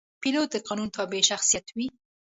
پیلوټ د قانون تابع شخصیت وي.